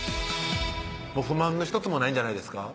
不満の１つもないんじゃないですか？